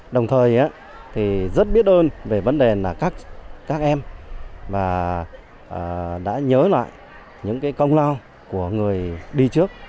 đồng thời thì rất biết ơn về vấn đề là các em đã nhớ lại những công lao của người đi trước